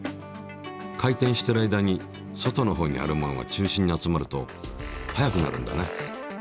回転してる間に外のほうにあるものが中心に集まると速くなるんだね。